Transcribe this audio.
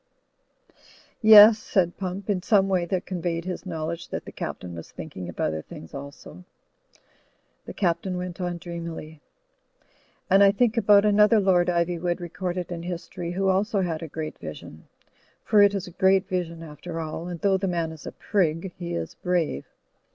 '*Yes," said Pump, in some way that conveyed his knowledge that the Captain was thinking of other things also. The Captain went on dreamily: "And I think about another Lord Ivjnvood recorded in history who also had a great vision. For it is a great vision after all, and though the man is a prig, he is brave.